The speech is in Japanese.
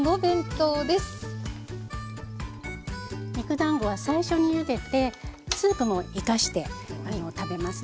肉だんごは最初にゆでてスープも生かして食べますね。